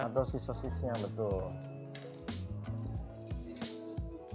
atau si sosisnya betul